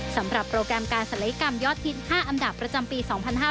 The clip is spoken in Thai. สำหรับโปรแกรมการศัลยกรรมยอดฮิต๕อันดับประจำปี๒๕๕๙